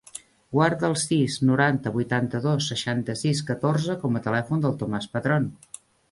Guarda el sis, noranta, vuitanta-dos, seixanta-sis, catorze com a telèfon del Tomàs Padron.